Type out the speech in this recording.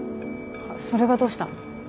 それがどうした？